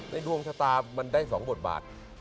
ดวงชะตามันได้๒บทบาท